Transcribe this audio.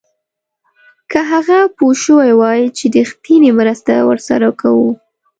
که هغه پوه شوی وای چې رښتینې مرسته ورسره کوو.